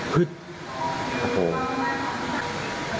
ฮึ๊ดโอ้โฮ